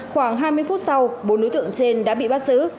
khoảng hai mươi phút sau bốn đối tượng trên đã bị bắt giữ